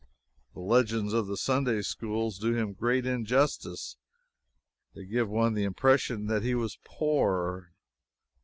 The legends of the Sunday Schools do him great injustice; they give one the impression that he was poor.